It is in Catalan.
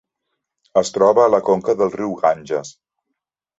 Es troba a la conca del riu Ganges.